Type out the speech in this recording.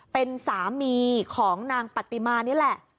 เป็นสามีของนางปฏิมานี่แหละ